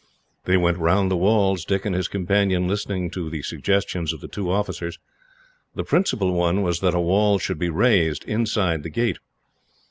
They went the round of the walls, Dick and his companion listening to the suggestions of the two officers. The principal one was that a wall should be raised, inside the gate.